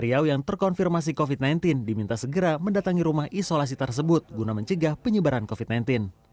riau yang terkonfirmasi covid sembilan belas diminta segera mendatangi rumah isolasi tersebut guna mencegah penyebaran covid sembilan belas